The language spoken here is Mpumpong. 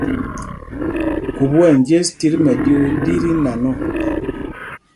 Khubú ɛ njes tit mɛɗyuu ɗí tí nan ɔ.